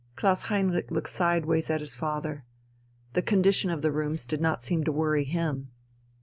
Klaus Heinrich looked sideways at his father.... The condition of the rooms did not seem to worry him.